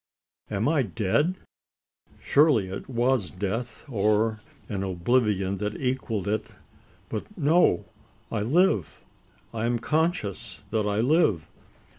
Am I dead? Surely it was death, or an oblivion that equalled it? But no I live! I am conscious that I live.